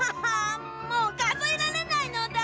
もうかぞえられないのだ！